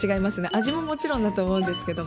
味ももちろんだと思いますけど。